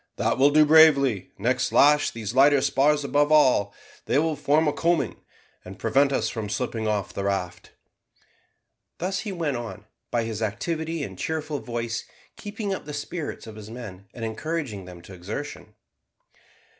That will do bravely; next lash these lighter spars above all, they will form a coaming, and prevent us from slipping off the raft." Thus he went on, by his activity and cheerful voice, keeping up the spirits of his men, and encouraging them to exertion.